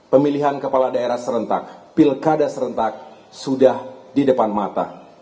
pemilihan kepala daerah serentak pilkada serentak sudah di depan mata